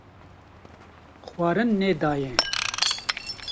xwarin nedayê.